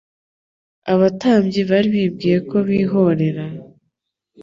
Abatambyi bari bibwiye ko bihorera,